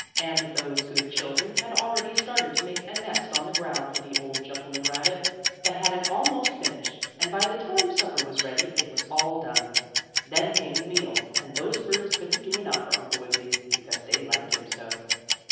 And those good children had already started to make a nest on the ground for the old gentleman rabbit. They had it almost finished, and by the time supper was ready it was all done. Then came the meal, and those birds couldn't do enough for Uncle Wiggily, because they liked him so.